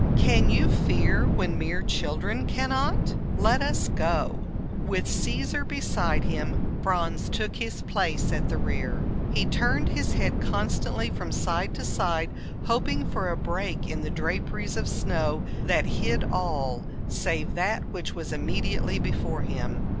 "Can you fear when mere children cannot? Let us go." With Caesar beside him, Franz took his place at the rear. He turned his head constantly from side to side, hoping for a break in the draperies of snow that hid all save that which was immediately before him.